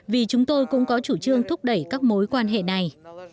vì chúng tôi cũng có chủ trương thúc đẩy các mối quan hệ này